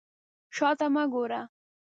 شا ته مه ګوره.